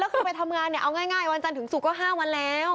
แล้วก็ไปทำงานเอาง่ายวันจันทร์ถึงสุกก็๕วันแล้ว